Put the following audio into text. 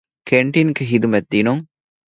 ކެންޓީންގެ ހިދުމަތް ދިނުން